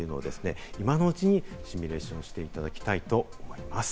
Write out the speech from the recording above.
今のうちにシミュレーションしていただきたいと思います。